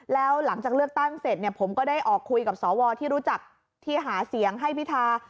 แล้วหลังจากเลือกตั้งเสร็จเนี่ยผมก็ได้ออกคุยกับสวที่รู้จักที่หาเสียงให้พิธา